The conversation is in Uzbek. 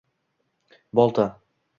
Bolta…